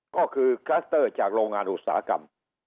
ก็คือคลัสเตอร์จากโรงงานอุตสาหกรรม